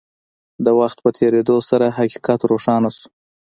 د وخت په تېرېدو سره حقيقت روښانه شو.